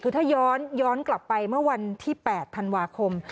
คือถ้าย้อนกลับไปเมื่อวันที่๘ธันวาคม